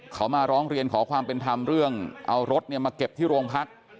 เขามาร้องเรียนขอความเป็นธรรมเรื่องเอารถมาเก็บที่โรงพัก